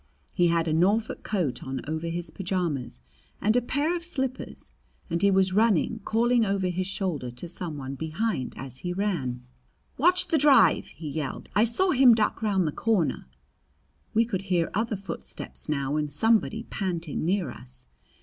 He had a Norfolk coat on over his pajamas and a pair of slippers, and he was running, calling over his shoulder to some one behind as he ran. "Watch the drive!" he yelled. "I saw him duck round the corner." We could hear other footsteps now and somebody panting near us.